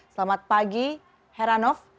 selamat pagi heranov